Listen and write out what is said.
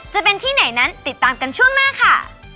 จะเป็นที่ไหนนั้นติดตามกันช่วงหน้าค่ะ